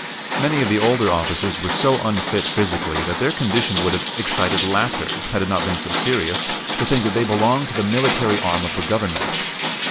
Many of the older officers were so unfit physically that their condition would have excited laughter, had it not been so serious, to think that they belonged to the military arm of the Government.